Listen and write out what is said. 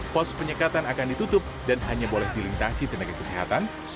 pos penyekatan akan ditutup dan hanya boleh dilintasi tenaga kesehatan